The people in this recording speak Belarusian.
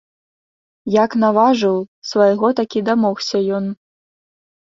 Як наважыў, свайго такі дамогся ён.